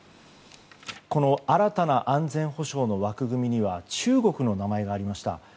この新たな安全保障の枠組みには中国の名前がありました。